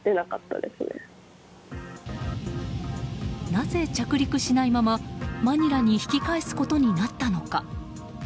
なぜ着陸しないまま、マニラに引き返すことになったのか。